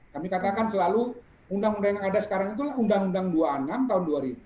kami katakan selalu undang undang yang ada sekarang itulah undang undang dua puluh enam tahun dua ribu